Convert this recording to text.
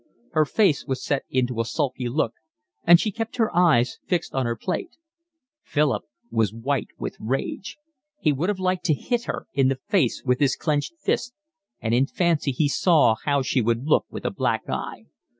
Her face was set into a sulky look, and she kept her eyes fixed on her plate. Philip was white with rage. He would have liked to hit her in the face with his clenched fist, and in fancy he saw how she would look with a black eye.